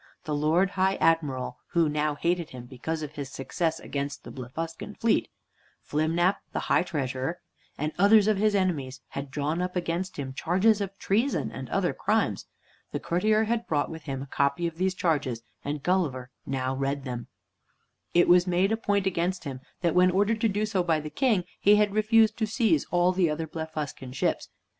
The Lord High Admiral (who now hated him because of his success against the Blefuscan fleet), Flimnap, the High Treasurer, and others of his enemies, had drawn up against him charges of treason and other crimes. The courtier had brought with him a copy of these charges, and Gulliver now read them. It was made a point against him that, when ordered to do so by the King, he had refused to seize all the other Blefuscan ships.